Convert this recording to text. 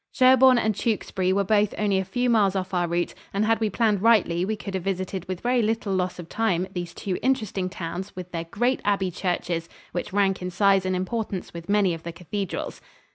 Sherborne and Tewkesbury were both only a few miles off our route, and had we planned rightly we could have visited with very little loss of time these two interesting towns with their great abbey churches, which rank in size and importance with many of the cathedrals.